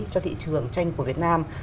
cho thị trường tranh của việt nam